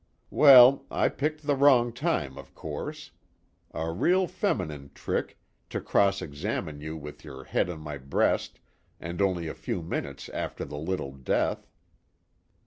Well, I picked the wrong time of course. A real feminine trick, to cross examine you with your head on my breast and only a few minutes after the little death.